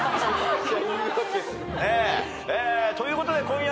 ということで今夜。